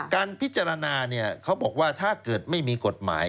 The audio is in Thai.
การพิจารณาเขาบอกว่าถ้าเกิดไม่มีกฎหมาย